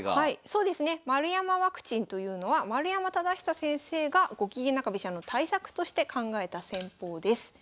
そうですね丸山ワクチンというのは丸山忠久先生がゴキゲン中飛車の対策として考えた戦法です。